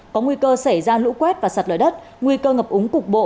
có nguy cơ xảy ra lũ quét và sạt lở đất nguy cơ ngập úng cục bộ